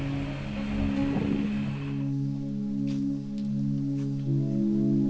biasanya kan gak pernah dibawain apa apa